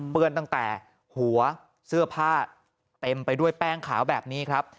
ตั้งแต่หัวเสื้อผ้าเต็มไปด้วยแป้งขาวแบบนี้ครับ